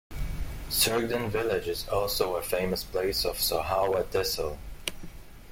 Surgdhan Village is also a famous place of Sohawa Tehsil.